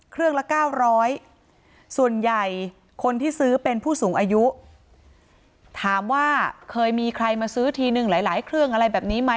ละ๙๐๐ส่วนใหญ่คนที่ซื้อเป็นผู้สูงอายุถามว่าเคยมีใครมาซื้อทีนึงหลายเครื่องอะไรแบบนี้ไหม